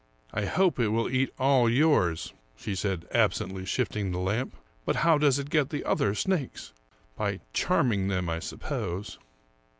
" I hope it will eat all yours," she said, absently shifting the lamp. "But how does it get the other snakes? By charming them, I suppose."